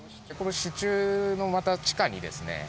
支柱のまた地下にですね